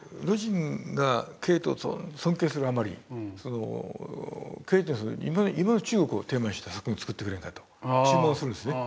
魯迅がケーテを尊敬するあまりケーテに今の中国をテーマにした作品を作ってくれんかと注文するんですね。